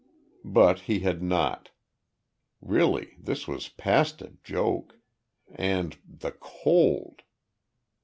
But he had not. Really, this was past a joke. And the cold!